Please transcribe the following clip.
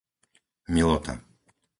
Milota